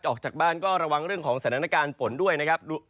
ออกจากบ้านก็ระวังเรื่องของสถานการณ์ฝนด้วยนะครับ